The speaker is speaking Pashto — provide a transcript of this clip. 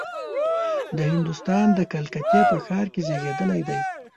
د هندوستان د کلکتې په ښار کې زېږېدلی دی.